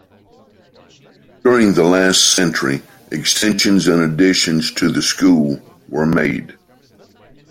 During the last century extensions and additions to the school were made.